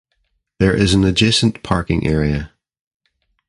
There is an adjacent parking area.